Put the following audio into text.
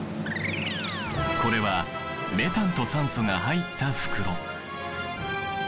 これはメタンと酸素が入った袋。